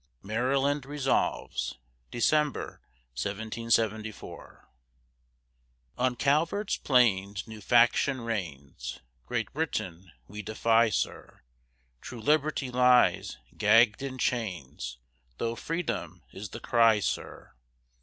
MARYLAND RESOLVES [December, 1774] On Calvert's plains new faction reigns, Great Britain we defy, sir, True Liberty lies gagg'd in chains, Though freedom is the cry, sir.